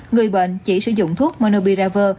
người bệnh chỉ sử dụng thuốc monubiravia